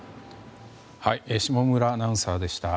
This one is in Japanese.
下村アナウンサーでした。